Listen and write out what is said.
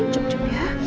cukup cukup ya